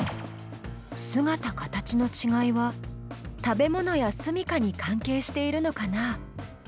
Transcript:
姿形のちがいは食べ物や住みかに関係しているのかな？